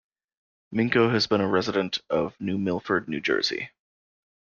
Minko has been a resident of New Milford, New Jersey.